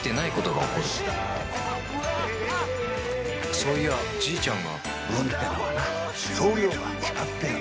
そういやじいちゃんが運ってのはな量が決まってるんだよ。